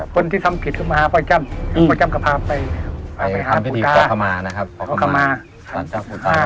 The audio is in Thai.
คนที่ทำผิดขึ้นมาหาพระอาจารย์พระอาจารย์ก็พาไปหาปูตา